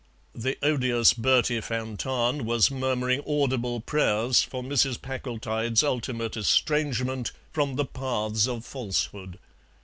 The odious Bertie van Tahn was murmuring audible prayers for Mrs. Packletide's ultimate estrangement from the paths of falsehood.